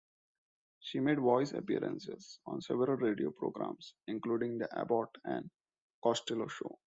She made voice appearances on several radio programs, including the "Abbott and Costello Show".